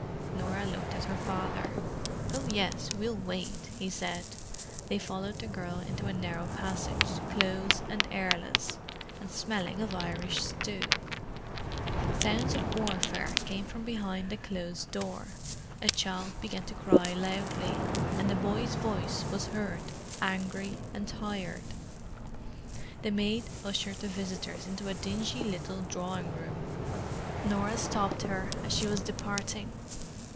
Norah looked at her father. "Oh yes, we'll wait," he said. They followed the girl into a narrow passage, close and airless, and smelling of Irish stew. Sounds of warfare came from behind a closed door: a child began to cry loudly, and a boy's voice was heard, angry and tired. The maid ushered the visitors into a dingy little drawing room. Norah stopped her as she was departing.